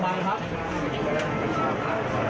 พี่ชาย